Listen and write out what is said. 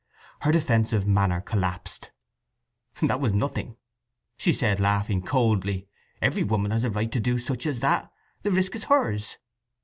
Her defensive manner collapsed. "That was nothing," she said, laughing coldly. "Every woman has a right to do such as that. The risk is hers."